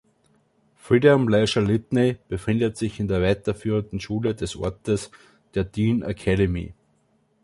Freedom Leisure Lydney befindet sich in der weiterführenden Schule des Ortes, der Dean Academy.